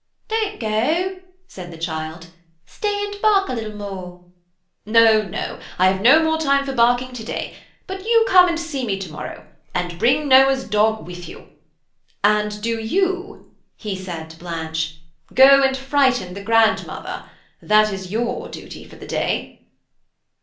"Don't go," said the child, "stay and bark a little more." "No, no, I have no time for more barking to day; but you come and see me to morrow and bring Noah's dog with you; and do you," he said to Blanche, "go and frighten the grandmother. That is your duty for the day."